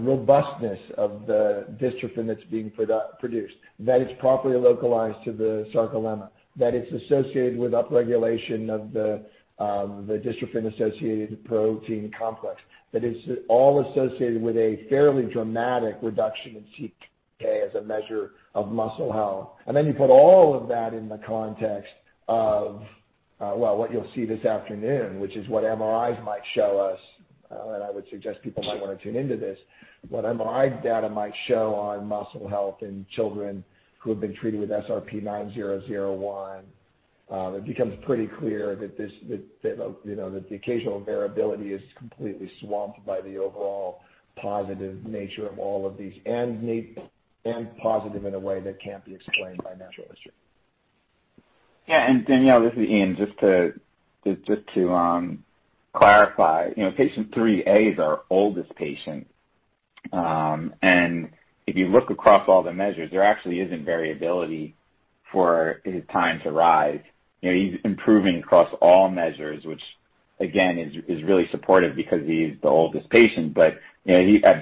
robustness of the dystrophin that's being produced, that it's properly localized to the sarcolemma, that it's associated with upregulation of the dystrophin-associated protein complex, that it's all associated with a fairly dramatic reduction in CK as a measure of muscle health. You put all of that in the context of, well, what you'll see this afternoon, which is what MRIs might show us, and I would suggest people might want to tune into this. What MRI data might show on muscle health in children who have been treated with SRP-9001. It becomes pretty clear that the occasional variability is completely swamped by the overall positive nature of all of these, and positive in a way that can't be explained by natural history. Danielle, this is Ian. Just to clarify, patient 3A is our oldest patient. If you look across all the measures, there actually isn't variability for his time to rise. He's improving across all measures, which again, is really supportive because he's the oldest patient. At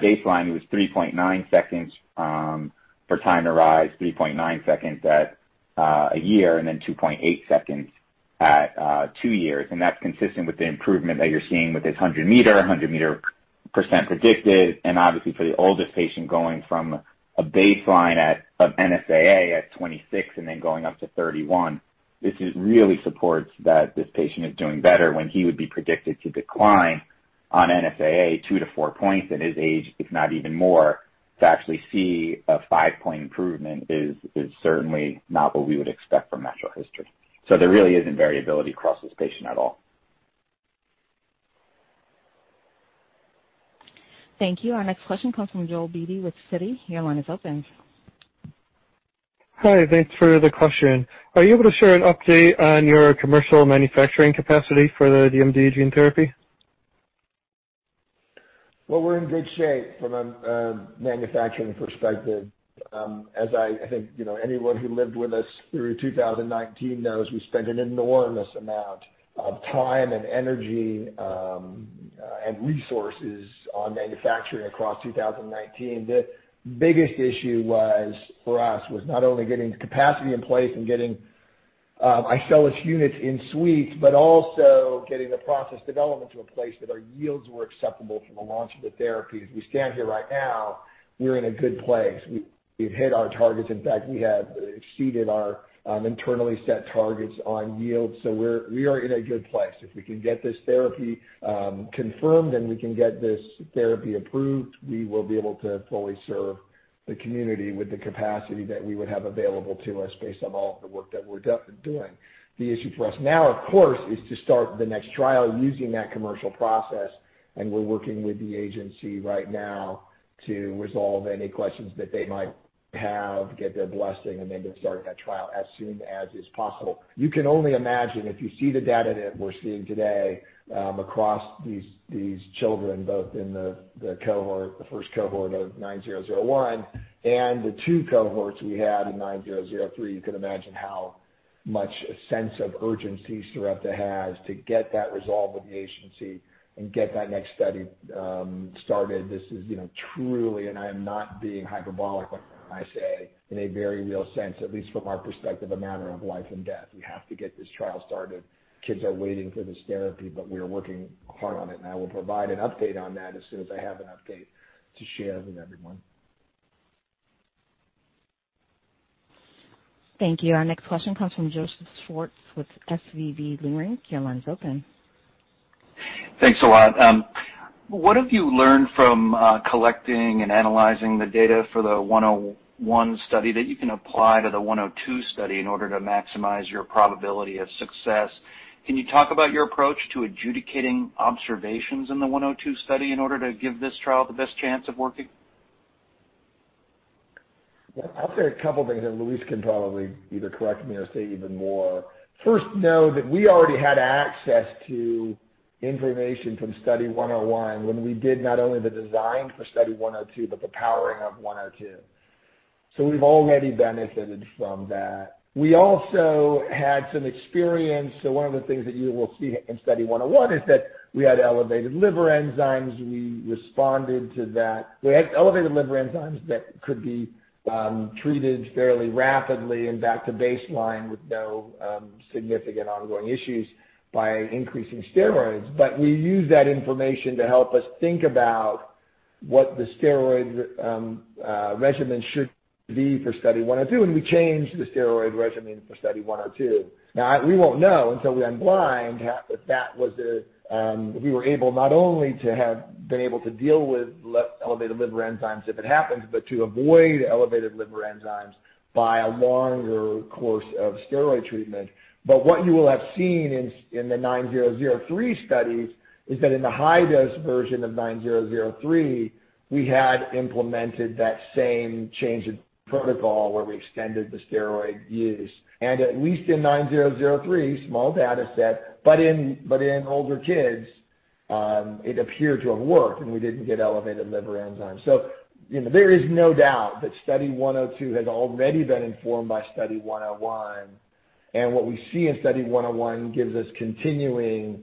baseline, he was 3.9 seconds for time to rise, 3.9 seconds at a year, and then 2.8 seconds at two years. That's consistent with the improvement that you're seeing with his 100 meter, 100 meter percent predicted. Obviously for the oldest patient going from a baseline of NSAA at 26 and then going up to 31, this really supports that this patient is doing better when he would be predicted to decline on NSAA two to four points at his age, if not even more. To actually see a five-point improvement is certainly not what we would expect from natural history. There really isn't variability across this patient at all. Thank you. Our next question comes from Joel Beatty with Citi. Your line is open. Hi. Thanks for the question. Are you able to share an update on your commercial manufacturing capacity for the DMD gene therapy? Well, we're in good shape from a manufacturing perspective. As I think anyone who lived with us through 2019 knows, we spent an enormous amount of time and energy, and resources on manufacturing across 2019. The biggest issue for us was not only getting the capacity in place and getting isolate units in suites, but also getting the process development to a place that our yields were acceptable for the launch of the therapy. As we stand here right now, we're in a good place. We've hit our targets. In fact, we have exceeded our internally set targets on yield. We are in a good place. If we can get this therapy confirmed, and we can get this therapy approved, we will be able to fully serve the community with the capacity that we would have available to us based on all of the work that we're doing. The issue for us now, of course, is to start the next trial using that commercial process, and we're working with the agency right now to resolve any questions that they might have, get their blessing, and then to start that trial as soon as is possible. You can only imagine if you see the data that we're seeing today across these children, both in the first cohort of 9001 and the two cohorts we had in 9003. You can imagine how much a sense of urgency Sarepta has to get that resolved with the agency and get that next study started. This is truly, and I am not being hyperbolic when I say, in a very real sense, at least from our perspective, a matter of life and death. We have to get this trial started. Kids are waiting for this therapy, but we are working hard on it, and I will provide an update on that as soon as I have an update to share with everyone. Thank you. Our next question comes from Joseph Schwartz with S.V.B Leerink Partners. Your line is open. Thanks a lot. What have you learned from collecting and analyzing the data for the Study 101 that you can apply to the Study 102 in order to maximize your probability of success? Can you talk about your approach to adjudicating observations in the Study 102 in order to give this trial the best chance of working? Yeah. I'll say a couple things, and Louise can probably either correct me or say even more. First, know that we already had access to information from Study 101 when we did not only the design for Study 102, but the powering of 102. We've already benefited from that. We also had some experience. One of the things that you will see in Study 101 is that we had elevated liver enzymes. We responded to that. We had elevated liver enzymes that could be treated fairly rapidly and back to baseline with no significant ongoing issues by increasing steroids. We used that information to help us think about what the steroid regimen should be for Study 102, and we changed the steroid regimen for Study 102. We won't know until we unblind if we were able not only to have been able to deal with elevated liver enzymes if it happens, but to avoid elevated liver enzymes by a longer course of steroid treatment. What you will have seen in the 9003 studies is that in the high-dose version of 9003, we had implemented that same change in protocol, where we extended the steroid use. At least in 9003, small data set, but in older kids, it appeared to have worked, and we didn't get elevated liver enzymes. There is no doubt that Study 102 has already been informed by Study 101. What we see in Study 101 gives us continuing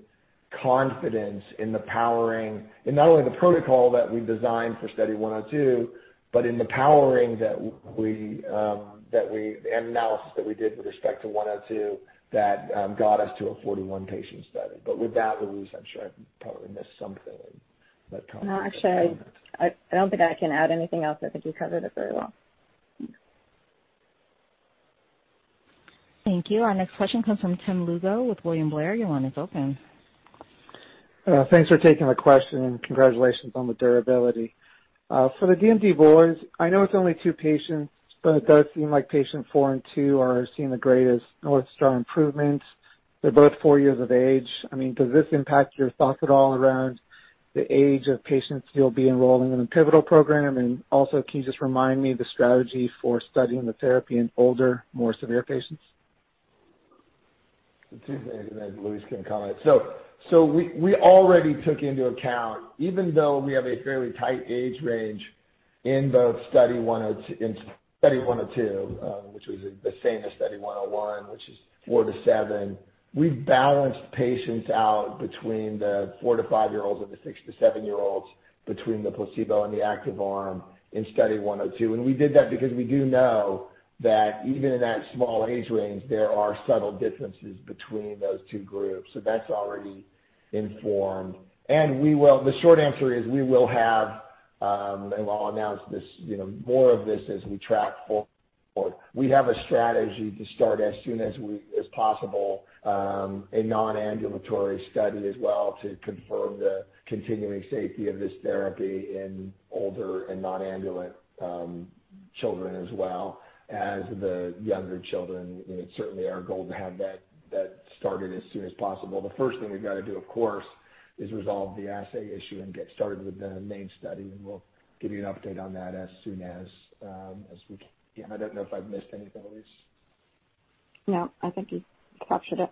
confidence in the powering in not only the protocol that we designed for Study 102, but in the powering and the analysis that we did with respect to 102 that got us to a 41-patient study. With that, Louise, I'm sure I probably missed something. No, actually, I don't think I can add anything else. I think you covered it very well. Thank you. Our next question comes from Tim Lugo with William Blair. Your line is open. Thanks for taking my question, and congratulations on the durability. For the DMD boys, I know it's only 2 patients, but it does seem like patient 4 and 2 are seeing the greatest North Star improvements. They're both 4 years of age. Also, can you just remind me of the strategy for studying the therapy in older, more severe patients? Two things. Louise can comment. We already took into account, even though we have a fairly tight age range in both Study 102, which was the same as Study 101, which is four to seven. We've balanced patients out between the four to five-year-olds and the six to seven-year-olds between the placebo and the active arm in Study 102. We did that because we do know that even in that small age range, there are subtle differences between those two groups. That's already informed. The short answer is we will have, and we'll announce more of this as we track forward. We have a strategy to start as soon as possible, a non-ambulatory study as well to confirm the continuing safety of this therapy in older and non-ambulant children, as well as the younger children. It's certainly our goal to have that started as soon as possible. The first thing we've got to do, of course, is resolve the assay issue and get started with the main study, and we'll give you an update on that as soon as we can. I don't know if I've missed anything, Louise. No, I think you captured it.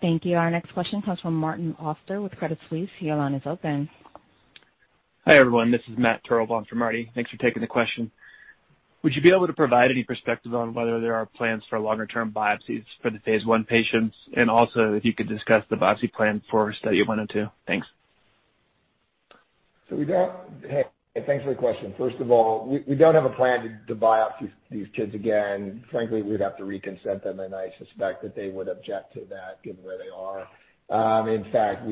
Thank you. Our next question comes from Martin Auster with Credit Suisse. Your line is open. Hi, everyone. This is Matthew Harrison from Marty. Thanks for taking the question. Would you be able to provide any perspective on whether there are plans for longer-term biopsies for the phase I patients? Also if you could discuss the biopsy plan for Study 102. Thanks. Hey, thanks for the question. First of all, we don't have a plan to biopsy these kids again. Frankly, we'd have to re-consent them, and I suspect that they would object to that given where they are. In fact,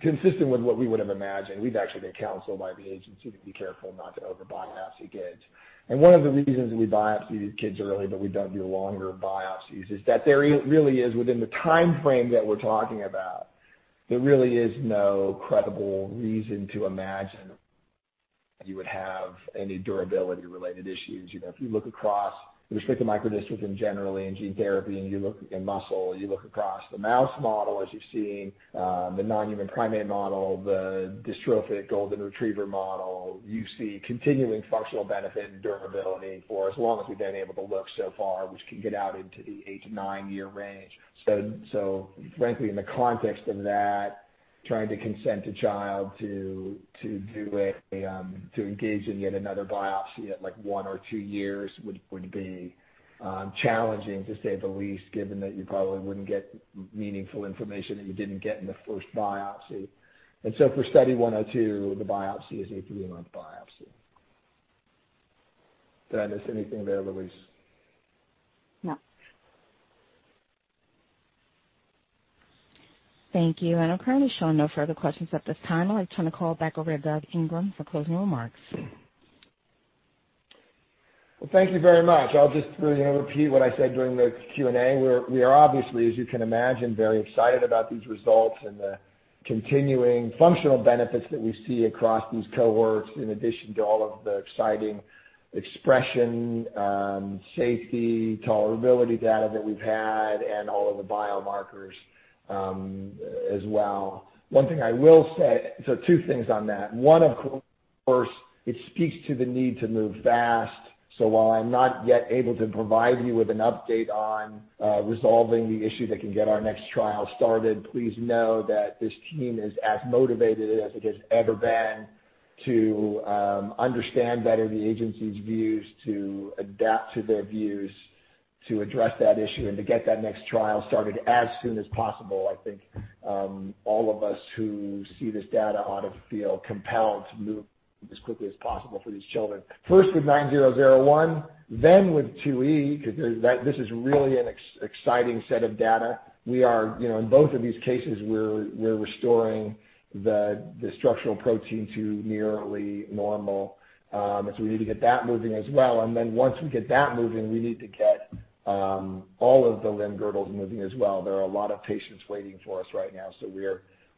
consistent with what we would have imagined, we've actually been counseled by the agency to be careful not to over-biopsy kids. One of the reasons we biopsy these kids early, but we don't do longer biopsies, is that there really is, within the timeframe that we're talking about, no credible reason to imagine you would have any durability-related issues. If you look across the restricted microdystrophins and generally in gene therapy, you look in muscle, you look across the mouse model as you've seen, the non-human primate model, the dystrophic golden retriever model, you see continuing functional benefit and durability for as long as we've been able to look so far, which can get out into the eight to nine-year range. Frankly, in the context of that, trying to consent a child to engage in yet another biopsy at one or two years would be challenging, to say the least, given that you probably wouldn't get meaningful information that you didn't get in the first biopsy. For Study 102, the biopsy is a three-month biopsy. Did I miss anything there, Louise? No. Thank you. I'm currently showing no further questions at this time. I'd like to turn the call back over to Doug Ingram for closing remarks. Well, thank you very much. I'll just repeat what I said during the Q&A. We are obviously, as you can imagine, very excited about these results and the continuing functional benefits that we see across these cohorts, in addition to all of the exciting expression, safety, tolerability data that we've had and all of the biomarkers as well. One thing I will say, so two things on that. One, of course, it speaks to the need to move fast. While I'm not yet able to provide you with an update on resolving the issue that can get our next trial started, please know that this team is as motivated as it has ever been to understand better the agency's views, to adapt to their views, to address that issue, and to get that next trial started as soon as possible. I think all of us who see this data ought to feel compelled to move as quickly as possible for these children. First with nine zero zero one, then with 2E, because this is really an exciting set of data. In both of these cases, we're restoring the structural protein to nearly normal, and so we need to get that moving as well. Once we get that moving, we need to get all of the limb-girdles moving as well. There are a lot of patients waiting for us right now, so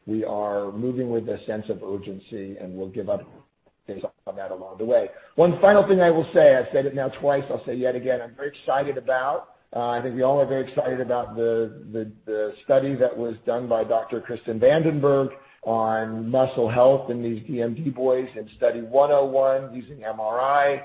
we are moving with a sense of urgency, and we'll give updates on that along the way. One final thing I will say, I've said it now twice, I'll say yet again, I'm very excited about, I think we all are very excited about the study that was done by Dr. Kristen VandenBerg on muscle health in these DMD boys in Study 101 using MRI.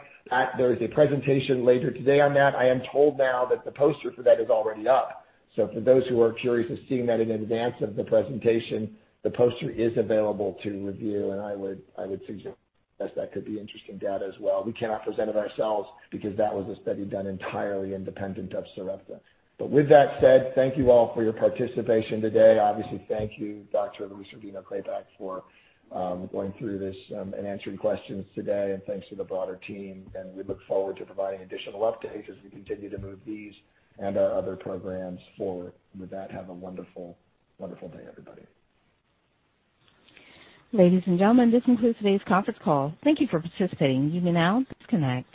There is a presentation later today on that. I am told now that the poster for that is already up. For those who are curious of seeing that in advance of the presentation, the poster is available to review, and I would suggest that could be interesting data as well. We cannot present it ourselves because that was a study done entirely independent of Sarepta. With that said, thank you all for your participation today. Obviously, thank you, Dr. Louise Rodino-Klapac, for going through this and answering questions today. Thanks to the broader team, and we look forward to providing additional updates as we continue to move these and our other programs forward. With that, have a wonderful day, everybody. Ladies and gentlemen, this concludes today's conference call. Thank you for participating. You may now disconnect.